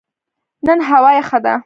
نن هوا یخه ده